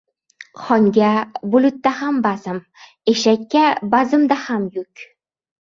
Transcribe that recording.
• Xonga bulutda ham bazm, eshakka bazmda ham yuk.